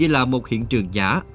là một hiện trường giả